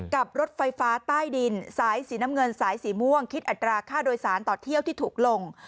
รถไฟฟ้าใต้ดินสายสีน้ำเงินสายสีม่วงคิดอัตราค่าโดยสารต่อเที่ยวที่ถูกลง